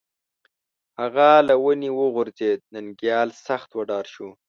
هغه له ونې وغورځېد، ننگيال سخت وډار شو